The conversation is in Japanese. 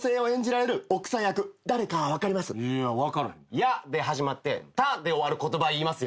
「や」で始まって「た」で終わる言葉言いますよ。